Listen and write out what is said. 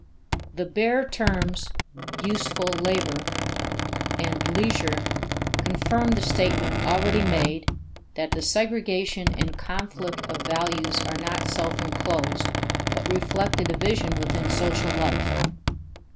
The bare terms "useful labor" and "leisure" confirm the statement already made that the segregation and conflict of values are not self inclosed, but reflect a division within social life.